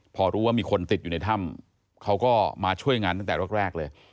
พอรู้ว่ามีคนติดอยู่ในถ้ำเขาก็มาช่วยงานตั้งแต่แรกเลย